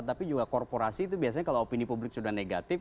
tapi juga korporasi itu biasanya kalau opini publik sudah negatif